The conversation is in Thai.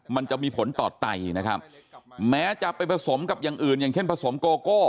แม้จะไปผสมกับอย่างอื่นอย่างเช่นผสมโกโก้